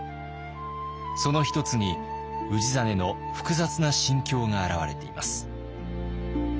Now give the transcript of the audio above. その一つに氏真の複雑な心境が表れています。